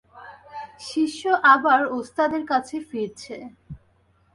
শিষ্য আবার ওস্তাদের কাছে ফিরছে।